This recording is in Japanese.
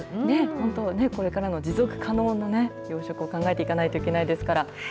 本当、これからも持続可能な養殖を考えていかないといけないですから。